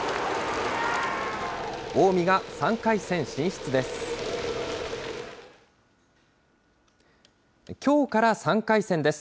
近江が３回戦進出です。